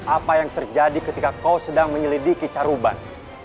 apa yang terjadi ketika kau sedang menyelidiki caruban